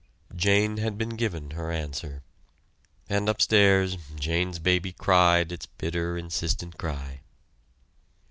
Jane had been given her answer. And upstairs Jane's baby cried its bitter, insistent cry.